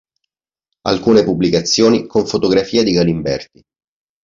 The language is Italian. Alcune pubblicazioni con fotografie di Galimberti.